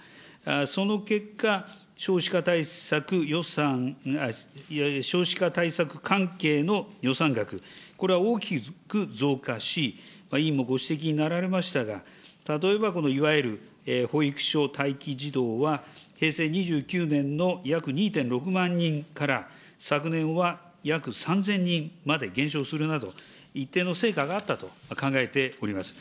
その結果、少子化対策関係の予算額、これは大きく増加し、委員もご指摘になられましたが、例えばこのいわゆる保育所待機児童は、平成２９年の約２．６万人から、昨年は約３０００人まで減少するなど、一定の成果があったと考えております。